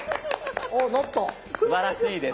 すばらしいです。